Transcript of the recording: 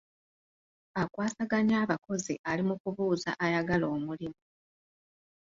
Akwasaganya abakozi ali mu kubuuza ayagala omulimu.